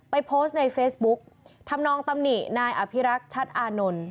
โพสต์ในเฟซบุ๊กทำนองตำหนินายอภิรักษ์ชัดอานนท์